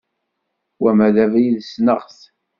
Wama abrid sneɣ-t.